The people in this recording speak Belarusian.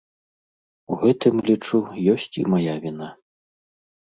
У гэтым, лічу, ёсць і мая віна.